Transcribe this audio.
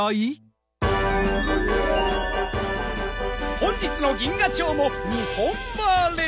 本日の銀河町も日本ばれ！